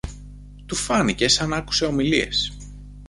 Του φάνηκε σα ν' άκουσε ομιλίες.